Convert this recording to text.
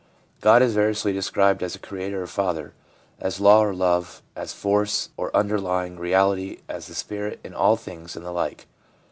God is variously described as Creator or Father, as Law or Love, as Force or Underlying Reality, as the Spirit in all things, and the like.